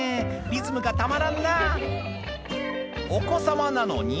リズムがたまらんな」